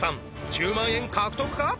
１０万円獲得か？